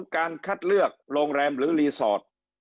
การคัดเลือกโรงแรมหรือรีสอร์ท